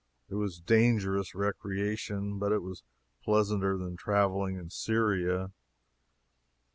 It was dangerous recreation, but it was pleasanter than traveling in Syria.